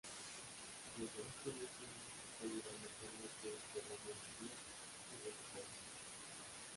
De este último se está llevando actualmente un programa de cría y recuperación.